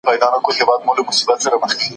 له دليله پرته هېڅ خبره مه منئ.